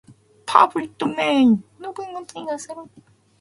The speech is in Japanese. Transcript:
パブリックドメインの文を追加する